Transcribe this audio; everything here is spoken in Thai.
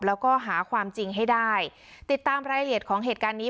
แล้วก็หาความจริงให้ได้ติดตามรายละเอียดของเหตุการณ์นี้